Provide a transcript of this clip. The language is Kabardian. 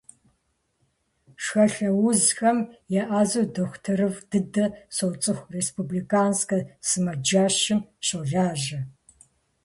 Шхалъэ узхэм еӏэзэу дохутырыфӏ дыдэ соцӏыху, республиканскэ сымаджэщым щолажьэ.